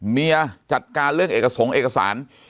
เมียจัดการเรื่องเอกสงค์เอกสาร